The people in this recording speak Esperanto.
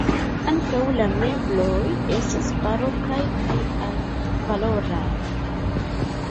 Ankaŭ la mebloj estas barokaj kaj altvaloraj.